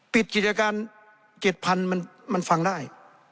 กิจการ๗๐๐มันฟังได้